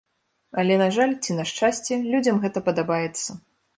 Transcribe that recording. Але на жаль, ці на шчасце, людзям гэта падабаецца.